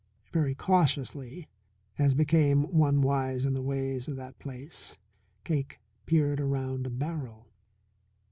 Very cautiously, as became one wise in the ways of life in that place, Cake peered around a barrel.